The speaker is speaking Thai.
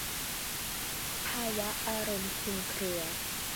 ภาวะอารมณ์คลุมเครือ